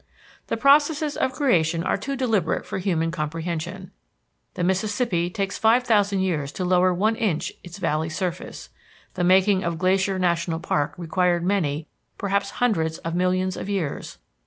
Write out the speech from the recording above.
The processes of creation are too deliberate for human comprehension. The Mississippi takes five thousand years to lower one inch its valley's surface. The making of Glacier National Park required many perhaps hundreds of millions of years.